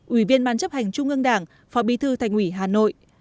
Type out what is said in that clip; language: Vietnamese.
ủy viên ban chấp hành trung ương đảng phó bí thư thành ủy hà nội